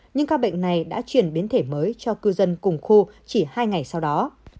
nhưng ca bệnh này đã chuyển biến thể mới cho cư dân cùng khu chỉ hai ngày sau đó